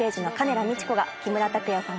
羅路子が木村拓哉さん